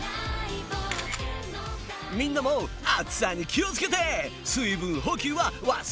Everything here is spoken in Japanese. みんなも暑さに気を付けて水分補給は忘れずに！